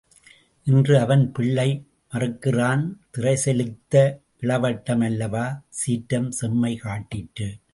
இன்று அவன் பிள்ளை மறுக்கிறான் திறை செலுத்த இளவட்டம் அல்லவா? சீற்றம் செம்மை காட்டிற்று.